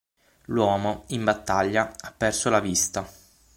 L'uomo, in battaglia, ha perso la vista.